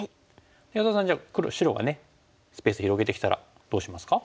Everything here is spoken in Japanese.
安田さんじゃあ白がスペース広げてきたらどうしますか？